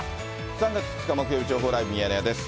３月２日木曜日、情報ライブミヤネ屋です。